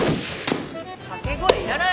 掛け声いらない。